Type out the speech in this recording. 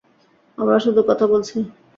আমরা শুধু কথা বলছি।